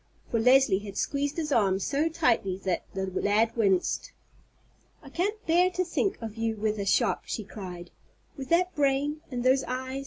For Leslie had squeezed his arm so tightly that the lad winced. "I can't bear to think of you with a shop," she cried, "with that brain and those eyes.